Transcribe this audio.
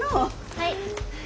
はい。